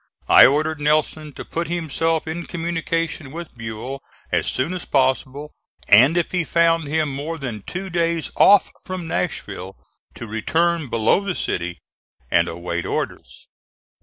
I ordered Nelson to put himself in communication with Buell as soon as possible, and if he found him more than two days off from Nashville to return below the city and await orders.